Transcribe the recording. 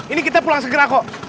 ini kita pulang segera kok